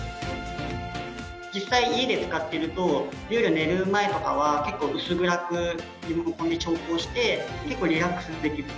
実際、家で使ってると夜、寝る前とかは結構、薄暗くリモコンで調光して結構、リラックスできる。